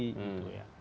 nah oleh karena itu